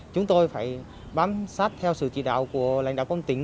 chúng tôi phải bám sát theo sự chỉ đạo của lãnh đạo quân tỉnh